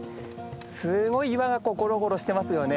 すごい岩がゴロゴロしてますよね。